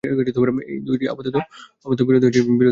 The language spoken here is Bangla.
এই দুইটি আপাতবিরোধী বলিয়া বোধ হয়।